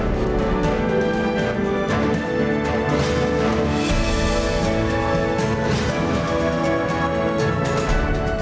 sebagai penonton penonton penonton yang terkenal di dalam media tersebut